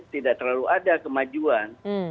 tidak terlalu ada kemajuan